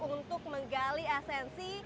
untuk menggali asensi